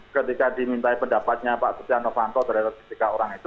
ketika diminta pendapatnya pak stiano vanto dari ketiga orang itu